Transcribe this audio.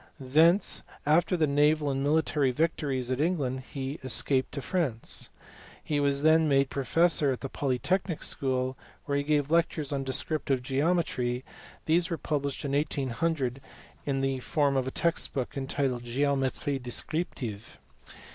Thence after the naval and military victories of England he escaped to France. He was then made professor at the Polytechnic school, where he gave lectures on descriptive geometry ; these were published in 1800 in the form MONGE. CARNOT. 433 of a text book entitled Geometrie descriptive.